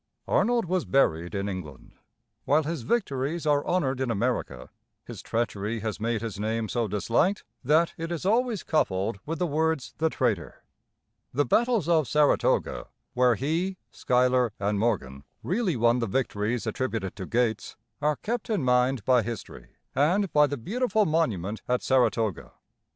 Arnold was buried in England. While his victories are honored in America, his treachery has made his name so disliked that it is always coupled with the words "the traitor." The battles of Saratoga, where he, Schuyler, and Morgan really won the victories attributed to Gates, are kept in mind by history and by the beautiful monument at Saratoga.